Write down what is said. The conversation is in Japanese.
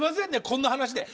こんな話で。